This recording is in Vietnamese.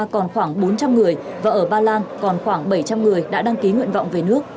còn khoảng bốn trăm linh người và ở ba lan còn khoảng bảy trăm linh người đã đăng ký nguyện vọng về nước